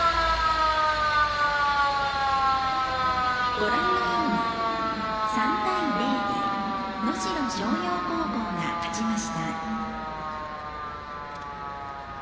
ご覧のように３対０で能代松陽高校が勝ちました。